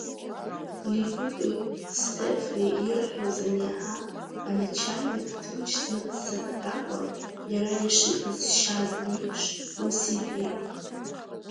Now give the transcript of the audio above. Ливуки Стефеи ирҳәоз аниаҳа, аначальник ҭынч дмыццакӡакәа, иара ишиҟазшьаз еиԥш, ус иҳәеит…